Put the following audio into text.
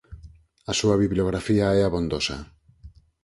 A súa bibliografía é abondosa.